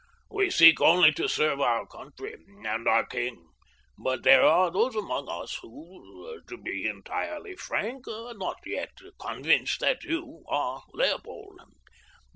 "We seek only to serve our country and our king but there are those among us who, to be entirely frank, are not yet convinced that you are Leopold.